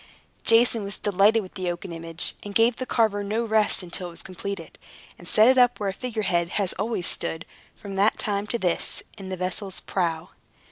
Jason was delighted with the oaken image, and gave the carver no rest until it was completed, and set up where a figure head has always stood, from that time to this, in the vessel's prow.